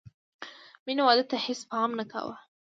مینې واده ته هېڅ پام نه کاوه